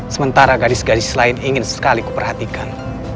sementara gadis gadis lain ingin sekali kuperhatikan